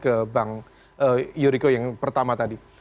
ke bang yuriko yang pertama tadi